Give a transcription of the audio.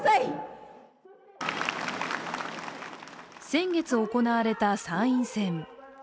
先月行われた参院選。